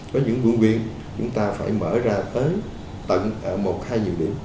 có những nguyện chúng ta phải mở ra tới tận một hai nhiều điểm